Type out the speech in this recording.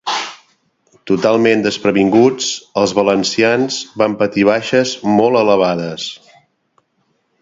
Totalment desprevinguts, els valencians van patir baixes molt elevades.